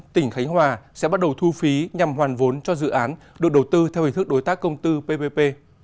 tỉnh khánh hòa sẽ bắt đầu thu phí nhằm hoàn vốn cho dự án được đầu tư theo hình thức đối tác công tư ppp